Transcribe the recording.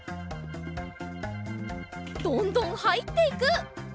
どんどんはいっていく！